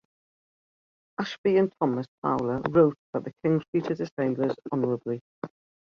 Ashby and Thomas Fowler wrote that the king treated the sailors honourably.